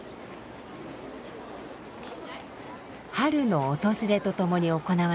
春の訪れとともに行われる